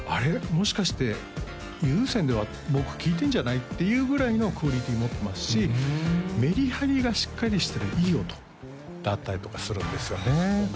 もしかして有線で僕聴いてんじゃない？っていうぐらいのクオリティー持ってますしメリハリがしっかりしてるいい音だったりとかするんですよね